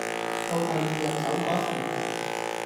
到第二日走個時